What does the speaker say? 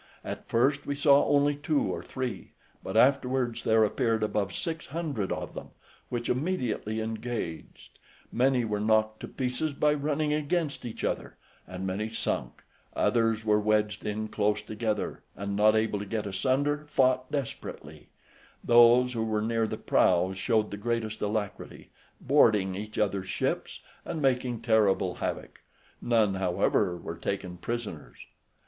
At first we saw only two or three, but afterwards there appeared above six hundred of them, which immediately engaged; many were knocked to pieces by running against each other, and many sunk; others were wedged in close together and, not able to get asunder, fought desperately; those who were near the prows showed the greatest alacrity, boarding each other's ships, and making terrible havoc; none, however, were taken prisoners.